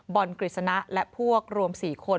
กฤษณะและพวกรวม๔คน